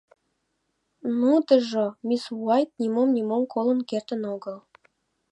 Нудыжо, мисс Уайт, нимом-нимом колын кертын огыл.